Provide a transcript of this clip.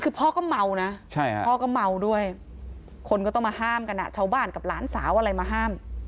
คือพ่อก็เมานะพ่อก็เมาด้วยคนก็ต้องมาห้ามกันชาวบ้านกับหลานสาวอะไรมาห้าม